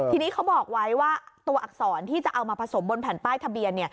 ทีนี้เขาบอกไว้ว่าตัวอักษรที่จะเอามาผสมบนแผ่นป้ายทะเบียนเนี่ย